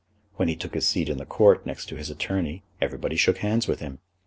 When he took his seat in the Court next to his attorney, everybody shook hands with him.